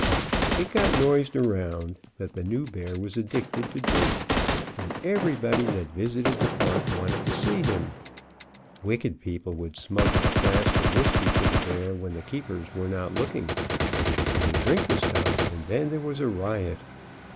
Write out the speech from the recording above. It got noised around that the new bear was addicted to drink, and everybody that visited the park wanted to see him. Wicked peo ple would smuggle a flask of whisky to the bear when the keepers were not looking, he would drink the stuff, and then there was a riot.